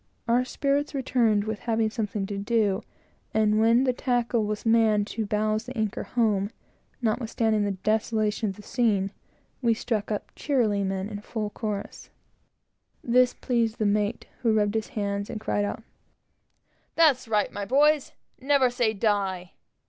Our spirits returned with having something to do; and when the tackle was manned to bowse the anchor home, notwithstanding the desolation of the scene, we struck up "Cheerily ho!" in full chorus. This pleased the mate, who rubbed his hands and cried out "That's right, my boys; never say die!